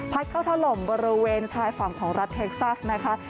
เข้าถล่มบริเวณชายฝั่งของรัฐเท็กซัสนะคะ